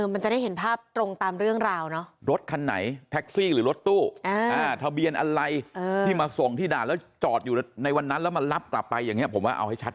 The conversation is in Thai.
มันจะได้เห็นภาพตรงตามเรื่องราว